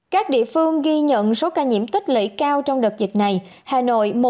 các địa phương ghi nhận số ca nhiễm tăng cao nhất so với ngày trước đó